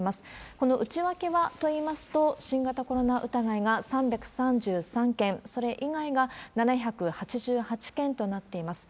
この内訳はといいますと、新型コロナ疑いが３３３件、それ以外が７８８件となっています。